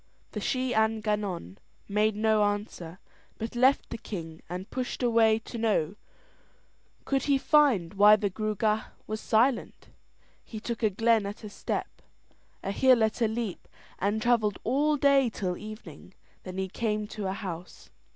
The Shee an Gannon made no answer, but left the king and pushed away to know could he find why the Gruagach was silent. He took a glen at a step, a hill at a leap, and travelled all day till evening. Then he came to a house.